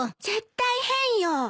絶対変よ。